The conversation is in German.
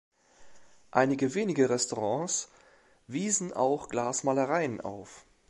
Einige wenige Restaurants wiesen auch Glasmalereien auf.